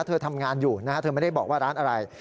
เธอทำงานอยู่นะฮะเธอไม่ได้บอกว่าร้านอะไร